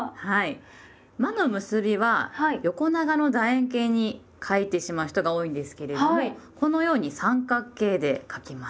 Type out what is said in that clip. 「ま」の結びは横長のだ円形に書いてしまう人が多いんですけれどもこのように三角形で書きます。